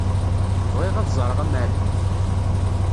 Bɣiɣ ad ẓreɣ amεellem-ik.